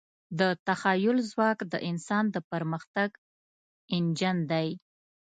د تخیل ځواک د انسان د پرمختګ انجن دی.